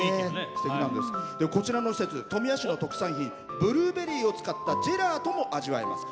こちらの施設富谷市の特産品、スイーツのジェラートも味わえます。